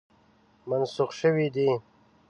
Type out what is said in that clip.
منسوخ شوی دی.